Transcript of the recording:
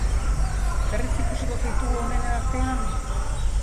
Berriz ikusiko zaitugu onenen artean?